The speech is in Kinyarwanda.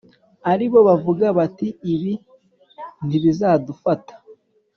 ari bo bavuga bati ‘Ibibi ntibizadufata